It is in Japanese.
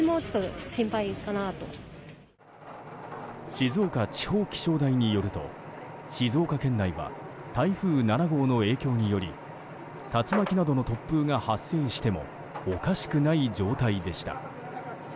静岡地方気象台によると静岡県内は台風７号の影響により竜巻などの突風が発生してもおかしくない状態でした。